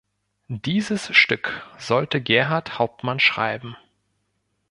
Dieses Stück sollte Gerhart Hauptmann schreiben.